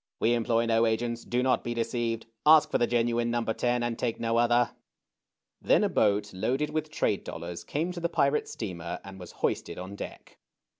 We employ no agents. Do not be deceived. Ask for the genuine No. 10, and take no other." Then a boat loaded with trade dollars came to the pirate steamer and was hoisted on deck.